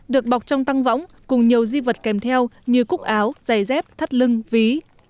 được bọc trong tăng võng cùng nhiều di vật kèm theo như cúc áo giày dép thắt lưng ví